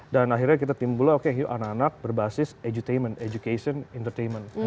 dan akhirnya kita timbulnya oke yuk anak anak berbasis education entertainment